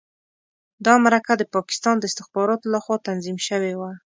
دا مرکه د پاکستان د استخباراتو لخوا تنظیم شوې وه.